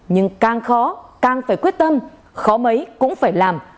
nhưng càng khó càng phải quyết tâm khó mấy cũng phải làm